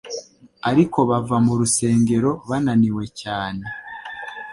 Ariko bava mu rugerero bananiwe cyane